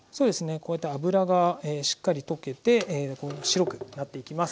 こうやって脂がしっかり溶けて白くなっていきます。